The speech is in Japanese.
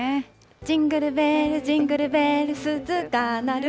ジングルベル、ジングルベル、鈴が鳴る。